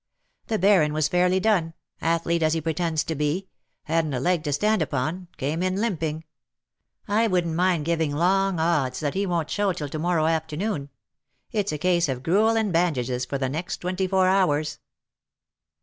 " The Baron was fairly done — athlete as he pretends to be — hadn^t a leg to stand u^on — came in limping. 1 wouldn't miud giving long odds that he won't show till to morrow afternoon. It's a case of gruel and bandages for the next twenty four hours."